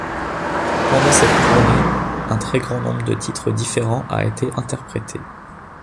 Pendant cette tournée un très grand nombre de titres différents a été interprété.